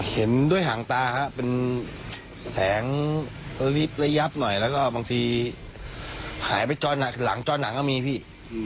เห็นด้วยห่างตาครับเป็นแสงระลิบระยับหน่อยแล้วก็บางทีหายไปหลังจ้อนหนังก็มีพี่